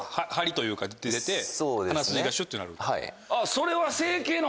それは。